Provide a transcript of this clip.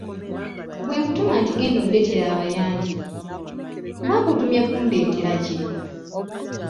Bwe nkutuma nti genda ondeetere abayanja, mba nkutumye kundeetera ki?